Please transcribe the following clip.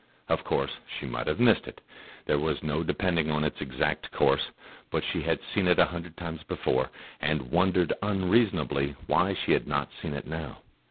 Of course she might have missed it; there was no depending on its exact course; but she had seen it a hundred times before, and wondered unreasonably why she had not seen it now.